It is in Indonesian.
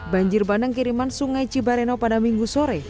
banjir bandang kiriman sungai cibareno pada minggu sore